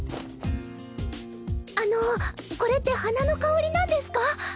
あのこれって花の香りなんですか？